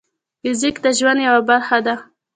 فزیک د ژوند یوه برخه ده.